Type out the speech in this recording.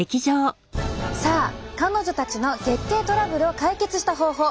さあ彼女たちの月経トラブルを解決した方法。